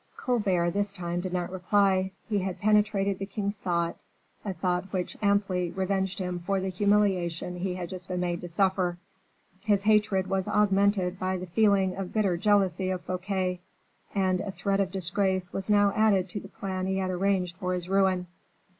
Colbert this time did not reply; he had penetrated the king's thought, a thought which amply revenged him for the humiliation he had just been made to suffer; his hatred was augmented by a feeling of bitter jealousy of Fouquet; and a threat of disgrace was now added to the plan he had arranged for his ruin.